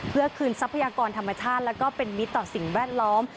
เพื่อคืนทรัพยากรธรรมชาติและเป็นมิตรต่อสิ่งแวดล้อม